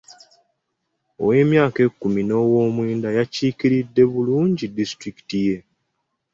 Ow'emyaka ekkumi n'omwenda yakiikiridde bulungi disitulikiti ye.